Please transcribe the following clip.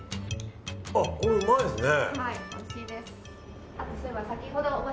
これうまいですね。